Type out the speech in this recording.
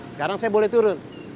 sekarang saya boleh turun